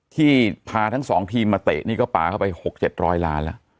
ที่พาทั้ง๒ทีมมาเตะนี่ก็ป่าเข้าไป๖๗๐๐ล้านแล้ว